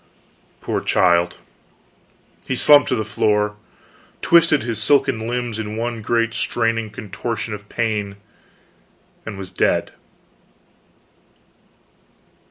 Poor child! he slumped to the floor, twisted his silken limbs in one great straining contortion of pain, and was dead.